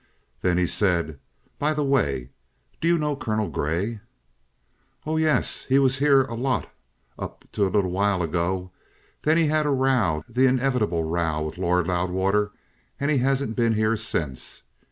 Then he said: "By the way, do you know Colonel Grey?" "Oh, yes. He was here a lot up to a little while ago. Then he had a row, the inevitable row, with Lord Loudwater, and he hasn't been here since.